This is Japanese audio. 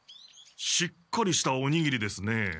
しっかりしたおにぎりですね。